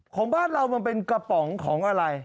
ของบ้านเรามันเป็นกระป๋องของอะไร